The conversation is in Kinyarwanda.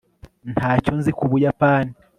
ntacyo nzi ku buyapani